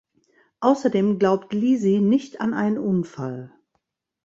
Außerdem glaubt Lisi nicht an einen Unfall.